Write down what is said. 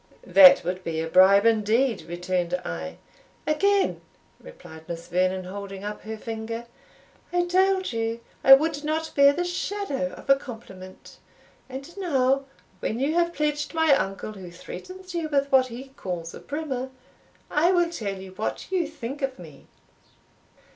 "That would be a bribe indeed," returned I. "Again!" replied Miss Vernon, holding up her finger; "I told you I would not bear the shadow of a compliment. And now, when you have pledged my uncle, who threatens you with what he calls a brimmer, I will tell you what you think of me."